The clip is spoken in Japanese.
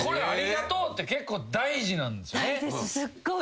「ありがとう」って結構大事なんですよね。